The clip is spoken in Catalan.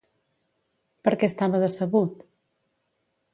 Per què estava decebut?